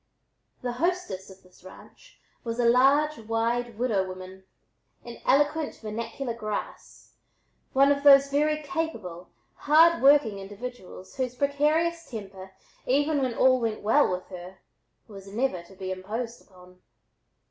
The "hostess" of this ranch was a large, wide "widow woman," in eloquent vernacular "grass," one of those very capable, hard working individuals whose precarious temper even when all went well with her, was never to be imposed upon.